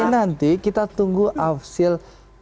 nanti kita tunggu afsir